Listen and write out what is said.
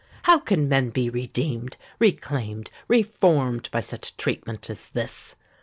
How can men be redeemed—reclaimed—reformed by such treatment as this?